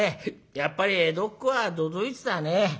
やっぱり江戸っ子は都々逸だね。